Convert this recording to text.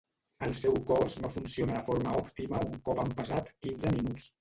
El seu cos no funciona de forma òptima un cop han passat quinze minuts.